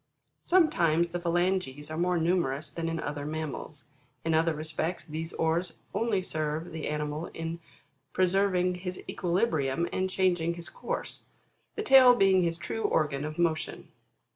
Sometimes, the phalanges are more numerous than in other mammals ; in other respects these oars only serve the ani mal in preserving his equilibrium and changing his course ; the tail being his true organ of motion.